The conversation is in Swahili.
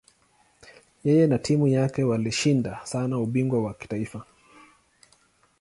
Yeye na timu yake walishinda sana ubingwa wa kitaifa.